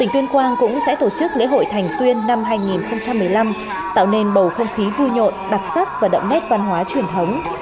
tuyên quang cũng sẽ tổ chức lễ hội thành tuyên năm hai nghìn một mươi năm tạo nên bầu không khí vui nhộn đặc sắc và đậm nét văn hóa truyền thống